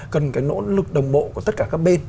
cần cái nỗ lực đồng bộ của tất cả các bên